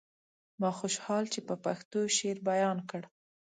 ما خوشحال چې په پښتو شعر بيان کړ.